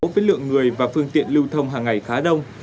thành phố với lượng người và phương tiện lưu thông hàng ngày khá đông